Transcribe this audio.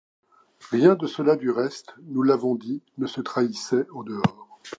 Rien de cela du reste, nous l’avons dit, ne se trahissait au dehors.